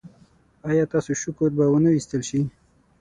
ایا ستاسو شکر به و نه ویستل شي؟